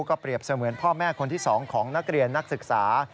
ก็เปรียบเสมือนพ่อแม่คนที่๒ของนักเรียนนักศึกษา